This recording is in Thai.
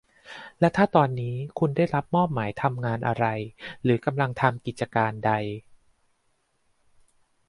และถ้าตอนนี้คุณได้รับมอบหมายทำงานอะไรหรือกำลังทำกิจการใด